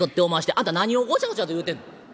「あんた何をごちゃごちゃと言うてんの。